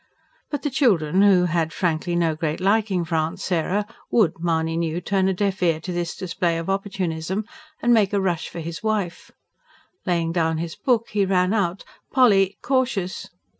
But the children, who had frankly no great liking for Aunt Sarah, would, Mahony knew, turn a deaf ear to this display of opportunism and make a rush for his wife. Laying down his book he ran out. "Polly ... cautious!"